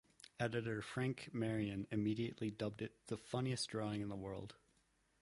Editor Frank Marien immediately dubbed it "The Funniest Drawing in the World".